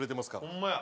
ホンマや。